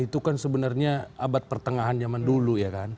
itu kan sebenarnya abad pertengahan zaman dulu